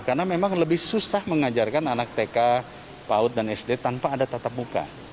karena memang lebih susah mengajarkan anak tk paud dan sd tanpa ada tatap muka